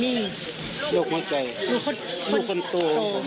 นี่โรคหัวใจโรคคนโต